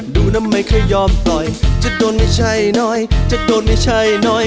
ดูนะไม่เคยยอมปล่อยจะโดนไม่ใช่น้อยจะโดนไม่ใช่น้อย